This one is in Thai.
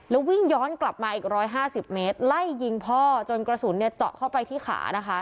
แล้ววิ่งย้อนกลับมาอีก๑๕๐เมตรไล่ยิงพ่อจนกระสุนเนี่ยเจาะเข้าไปที่ขานะคะ